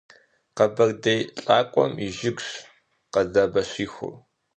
Къэбэрдей лӀакъуэм и жыгщ къэдабэщихур.